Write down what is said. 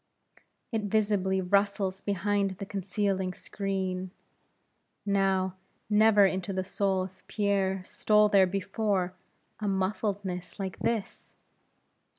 It visibly rustles behind the concealing screen. Now, never into the soul of Pierre, stole there before, a muffledness like this!